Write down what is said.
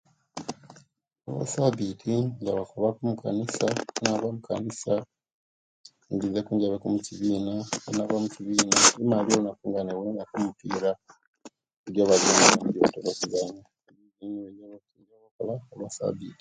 Olyesabiti ingaba kwabaku omukanisa owenava omukanisa ingizeku injabeku omkibiina owenava omukibiina imaalilye olunaku nga inbwoineku omupira ejabazungu jebatera okuzanyaniwo owemalilya olunaku o'lwe'ssabitti